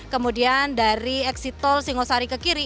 kemudian dari eksitor singosari ke kiri